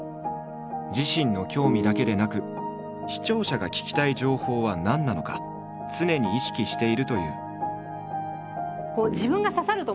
自身の興味だけでなく視聴者が聞きたい情報は何なのか常に意識しているという。